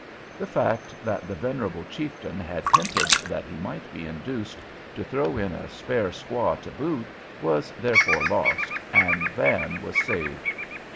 The fact that the venerable chieftain had hinted that he might be induced to throw in a spare squaw "to boot" was therefore lost, and Van was saved.